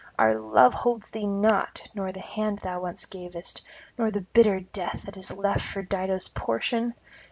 Our love holds thee not, nor the hand thou once gavest, nor the bitter death that is left for Dido's portion?